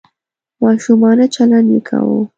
ماشومانه چلند یې کاوه .